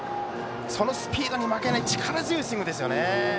そのスピードに負けない力強いスイングでしたね。